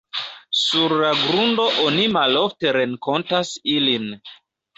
Sur la grundo oni malofte renkontas ilin.